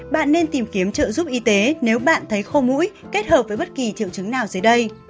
bạn nên tìm kiếm trợ giúp y tế nếu bạn thấy khô mũi kết hợp với bất kỳ triệu chứng nào dưới đây